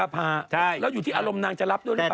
อ้ามปัจฉาระภาอยู่ที่อรบนางจะรับด้วยหรือเปล่า